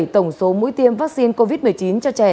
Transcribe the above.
tổng số mũi tiêm vaccine covid một mươi chín cho trẻ